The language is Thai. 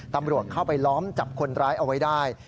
ตำรวจเข้าไปล้อมจับคนร้ายเอาไว้ได้